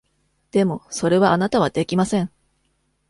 でも、それはあなたはできません！